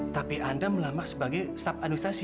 tapi anda melamak sebagai staff administrasi